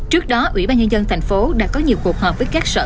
trước đó ủy ban nhân dân thành phố đã có nhiều cuộc họp với các sở